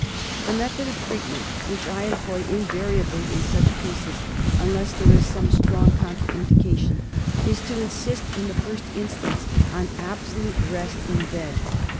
The method of treatment which I employ invariably in such cases, unless there is some strong contra indication, is to insist in the first instance on absolute rest in bed.